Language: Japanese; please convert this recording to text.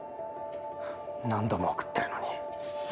何度も送ってるのに。